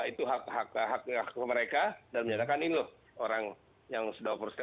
itu hak hak mereka dan menyatakan ini loh orang yang sudah overstay